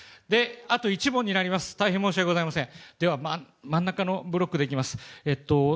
あと１問になります、大変申し訳ありません。